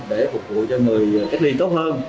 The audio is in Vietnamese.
để phục vụ cho người cách ly tốt hơn